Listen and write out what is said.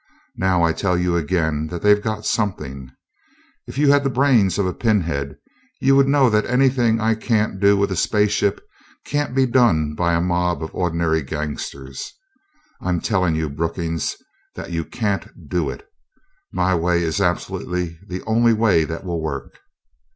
Now I tell you again that they've got something. If you had the brains of a pinhead, you would know that anything I can't do with a space ship can't be done by a mob of ordinary gangsters. I'm telling you, Brookings, that you can't do it. My way is absolutely the only way that will work."